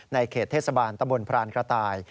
เขตเทศบาลตะบนพรานกระต่าย